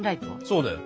そうだよ。